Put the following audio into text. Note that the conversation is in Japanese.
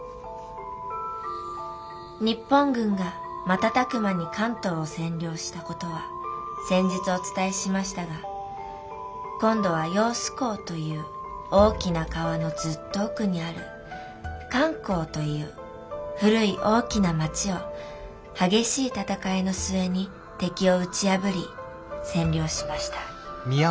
日本軍が瞬く間に広東を占領した事は先日お伝えしましたが今度は揚子江という大きな川のずっと奥にある漢口という古い大きな町を激しい戦いの末に敵を打ち破り占領しました。